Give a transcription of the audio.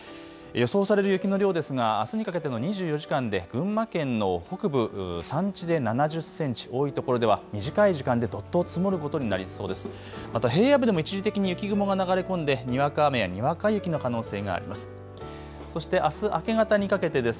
予想される雪の量ですがあすにかけての２４時間で群馬県の北部、山地で７０センチ、多いところでは短い時間でどっと積もることになりそうです。